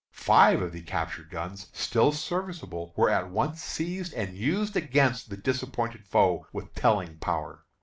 Five of the captured guns, still serviceable, were at once seized and used against the disappointed foe with telling power.